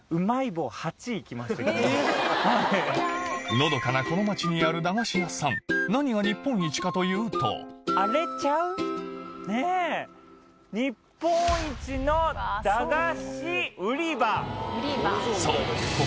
のどかなこの町にある駄菓子屋さん何が日本一かというとねぇ「日本一のだがし売場」！